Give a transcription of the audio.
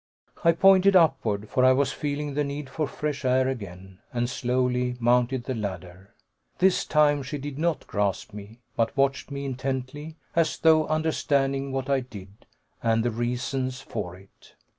I pointed upward, for I was feeling the need for fresh air again, and slowly mounted the ladder. This time she did not grasp me, but watched me intently, as though understanding what I did, and the reasons for it.